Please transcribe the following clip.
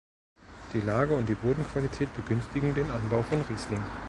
Die Lage und die Bodenqualität begünstigen den Anbau von Riesling.